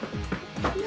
何？